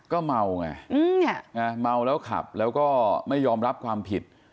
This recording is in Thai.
ก็เมาไงเมาแล้วขับแล้วก็ไม่ยอมรับความผิด